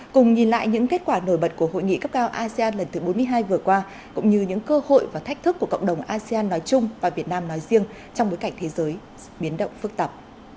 cùng nhìn lại những kết quả nổi bật của hội nghị cấp cao asean lần thứ bốn mươi hai vừa qua cũng như những cơ hội và thách thức của cộng đồng asean nói chung và việt nam nói riêng trong bối cảnh thế giới biến động phức tạp